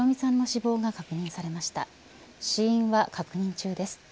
死因は確認中です。